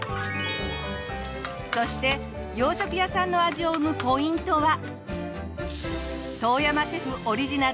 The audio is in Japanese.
そして洋食屋さんの味を生むポイントは。